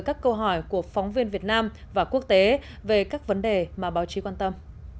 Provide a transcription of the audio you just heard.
các câu hỏi của phóng viên việt nam và quốc tế về các vấn đề mà báo chí quan tâm